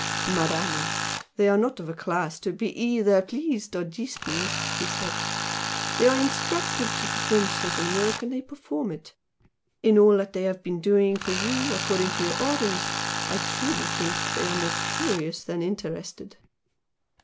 "Madama, they are not of a class to be either pleased or displeased" he said "They are instructed to perform certain work, and they perform it. In all that they have been doing for you, according to your orders, I truly think they are more curious than interested."